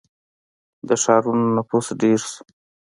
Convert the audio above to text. • د ښارونو نفوس ډېر شو.